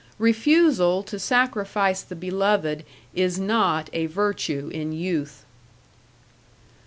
Refusal to sacrifice the beloved is not a virtue in youth.